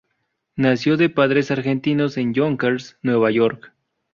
Nació de padres argentinos en Yonkers, Nueva York.